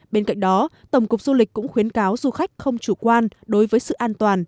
bên cạnh đó tổng cục du lịch cũng khuyến cáo du khách không chủ quan đối với sự an toàn